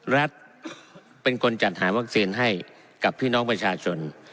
รัฐเป็นคนจัดหาวัคซีนให้กับพี่น้องประชาชน